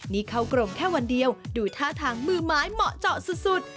นี่เข้ากรมแค่วันเดียวดูท่าทางมือไม้เหมาะเจาะสุด